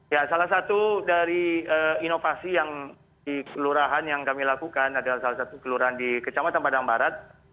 ya salah satu dari inovasi yang di kelurahan yang kami lakukan adalah salah satu kelurahan di kecamatan padang barat